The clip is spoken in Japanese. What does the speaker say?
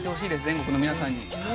全国の皆さんに。